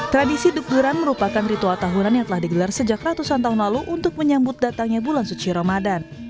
tradisi dukduran merupakan ritual tahunan yang telah digelar sejak ratusan tahun lalu untuk menyambut datangnya bulan suci ramadan